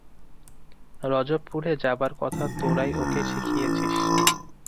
রজবপুরে যাবার কথা তোরাই ওকে শিখিয়েছিস।